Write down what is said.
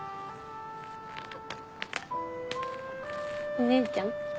お姉ちゃん。